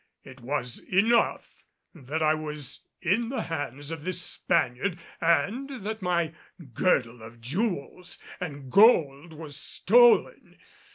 It was enough that I was in the hands of this Spaniard and that my girdle of jewels and gold was stolen.